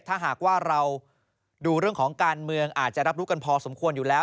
ถ้าหากว่าเราดูเรื่องของการเมืองอาจจะรับรู้กันพอสมควรอยู่แล้ว